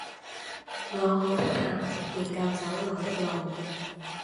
我可不怕，仍舊走我的路。